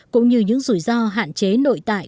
cũng như những rủi ro hạn chế nội tại